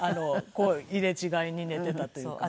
こう入れ違いに寝ていたというかね。